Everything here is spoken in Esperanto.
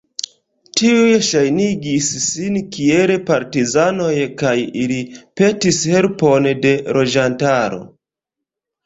Tiuj ŝajnigis sin kiel partizanoj kaj ili petis helpon de loĝantaro.